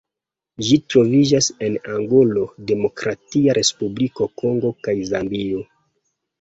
Ĝi troviĝas en Angolo, Demokratia Respubliko Kongo kaj Zambio.